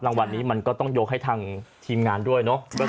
รางวัลนี้มันก็ต้องยกให้ทางทีมงานด้วยเนอะ